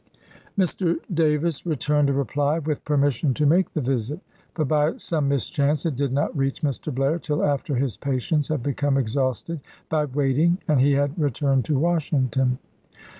ms. Mr. Davis returned a reply with permission to make the visit ; but by some mischance it did not reach Mr. Blair till after his patience had become exhausted by waiting and he had returned to Washington.